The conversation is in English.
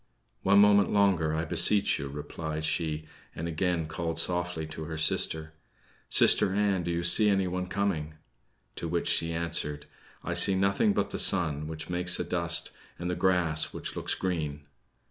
"One moment longer, I beseech you," replied she, and again called softly to her sister: "Sister Ann, do you see anyone coming?" To which she answered: "I see nothing but the sun, which makes a dust, and the grass, which looks green."